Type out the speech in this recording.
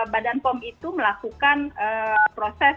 badan pom itu melakukan proses